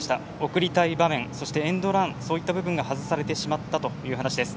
送りたい場面、エンドランそういった部分が外されてしまったという話です。